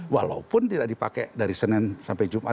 walaupun tidak dipakai dari senin sampai jumat